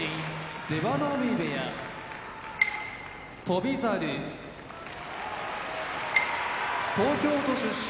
出羽海部屋翔猿東京都出身